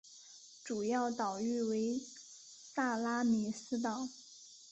主要岛屿为萨拉米斯岛。